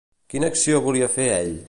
Quina acció volia fer ell?